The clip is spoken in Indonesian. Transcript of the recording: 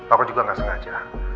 aku juga nggak sengaja